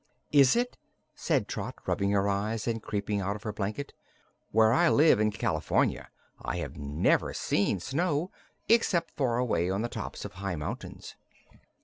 "Is it?" said Trot, rubbing her eyes and creeping out of her blanket. "Where I live, in California, I have never seen snow, except far away on the tops of high mountains."